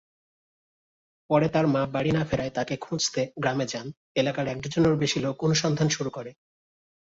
পরে তার মা বাড়ি না ফেরায় তাকে খুঁজতে গ্রামে যান; এলাকার এক ডজনেরও বেশি লোক অনুসন্ধান শুরু করে।